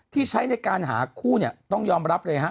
ที่ใช้ในการหาคู่เนี่ยต้องยอมรับเลยฮะ